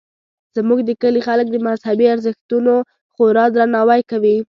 زموږ د کلي خلک د مذهبي ارزښتونو خورا درناوی کوي